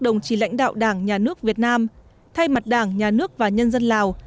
đồng chí lãnh đạo đảng nhà nước việt nam thay mặt đảng nhà nước và nhân dân lào